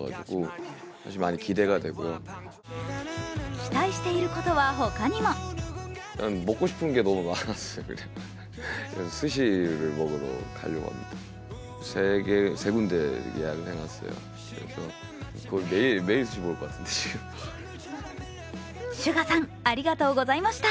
期待していることは他にもＳＵＧＡさんありがとうございました。